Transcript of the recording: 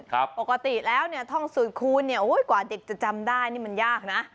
ปกติแล้วท่องสูตรคูณกว่าเด็กจะจำได้นี่มันยากนะ